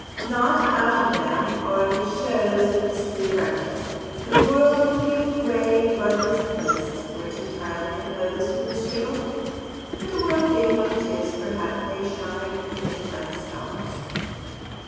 Not out of them are the shows of history erected: the world would be a grey, bloodless place were it entirely composed of Miss Schlegels. But the world being what it is, perhaps they shine out in it like stars.